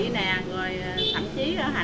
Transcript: rồi thậm chí ở hà nội